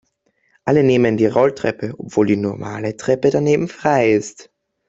Alle nehmen die Rolltreppe, obwohl die normale Treppe daneben frei ist.